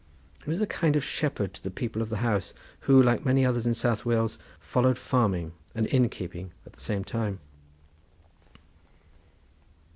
He was a kind of shepherd to the people of the house, who like many others in South Wales followed farming and inn keeping at the same time.